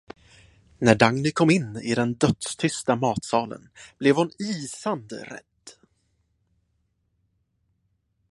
När Dagny kom in i den dödstysta matsalen blev hon isande rädd.